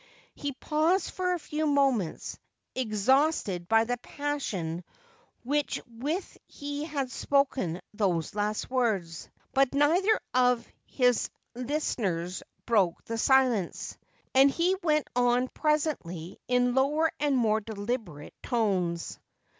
He paused for a few moments, exhausted by the passion with which he had spoken those last words ; but neither of his listeners broke the silence, and he went on presently in lower and more deliberate tones.